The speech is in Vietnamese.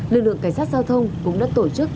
lực lượng cảnh sát giao thông cũng đã tổ chức